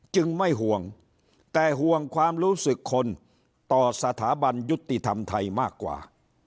ไม่ห่วงแต่ห่วงความรู้สึกคนต่อสถาบันยุติธรรมไทยมากกว่า